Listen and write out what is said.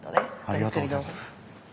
ありがとうございます。